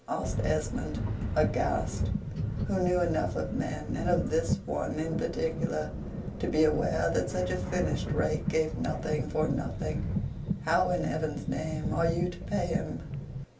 asked Esmond, aghast; who knew enough of men, and of this one in particular, to be aware that such a finished rake gave nothing for nothing. "How, in heaven's name, are you to pay him?"